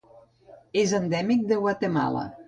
És endèmic de Guatemala.